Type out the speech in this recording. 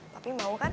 papi mau kan